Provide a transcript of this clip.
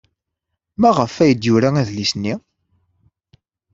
Maɣef ay d-yura adlis-nni?